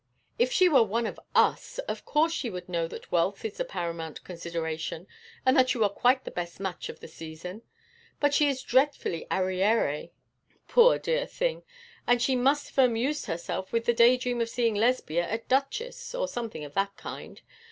'If she were one of us, of course she would know that wealth is the paramount consideration, and that you are quite the best match of the season. But she is dreadfully arriérée, poor dear thing; and she must have amused herself with the day dream of seeing Lesbia a duchess, or something of that kind.